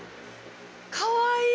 かわいい！